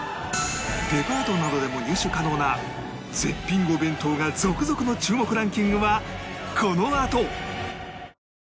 デパートなどでも入手可能な絶品お弁当が続々の注目ランキングはこのあと！